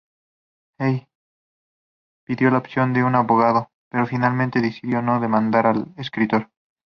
Heyer pidió la opinión de un abogado pero finalmente decidió no demandar al escritor.